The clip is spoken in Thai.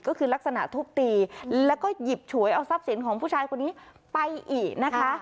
ก็คือลักษณะทุบตีแล้วก็หยิบฉวยเอาทรัพย์สินของผู้ชายคนนี้ไปอีกนะคะ